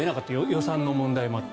予算の問題もあって。